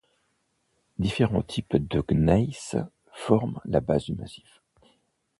Différents types de gneiss forment la base du massif.